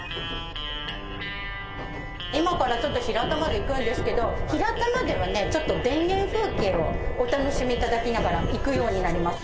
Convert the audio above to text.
今からちょっと平田まで行くんですけど平田まではねちょっと田園風景をお楽しみ頂きながら行くようになります。